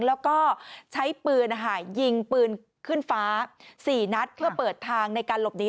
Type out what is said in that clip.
แล้วก็ใช้ปืนยิงปืนขึ้นฟ้า๔นัดเพื่อเปิดทางในการหลบหนี